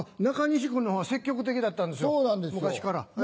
中西君のほうは積極的だったんですよ昔から。